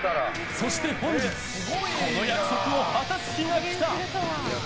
そして、本日この約束を果たす日が来た。